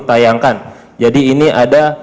tayangkan jadi ini ada